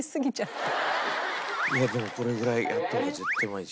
いやでもこれぐらいやった方が絶対うまいでしょ。